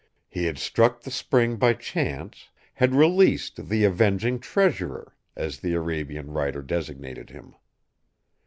He had struck the spring by chance; had released the avenging 'Treasurer', as the Arabian writer designated him.